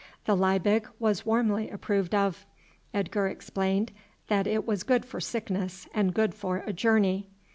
The Liebig was warmly approved of. Edgar explained that it was good for sickness, and good for a journey.